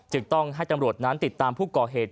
จึงต้องให้ตำรวจนั้นติดตามผู้ก่อเหตุ